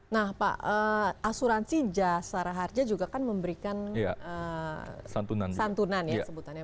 nah pak asuransi jasara harja juga kan memberikan santunan ya sebutannya